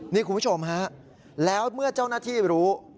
นี่คุณผู้ชมฮะแล้วเมื่อเจ้าหน้าที่รู้